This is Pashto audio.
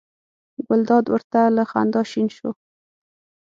ګلداد ور ته له خندا شین شو.